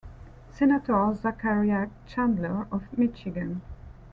Senator Zachariah Chandler of Michigan.